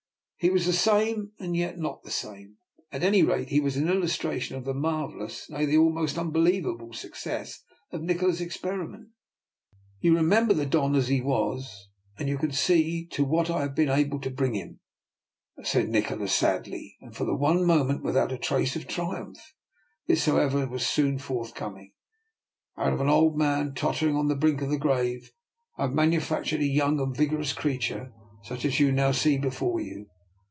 He was the same and yet not the same. At any rate, he was an illustration of the marvellous, nay, the almost unbelievable, success of Nikola's experiment. " You remember the Don as he was, and you can see to what I have been able to bring him," said Nikola sadly, and for one moment without a trace of triumph. This, however, was soon forthcoming. " Out of an old man tottering on the brink of the grave, I have manufactured a young and vigorous creature such as you now see before you.